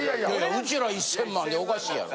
ウチら１０００万でおかしいやろ。